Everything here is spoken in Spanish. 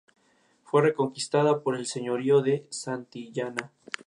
Tomó su nombre del propietario del solar sobre el que se construyó, Casimiro Martín.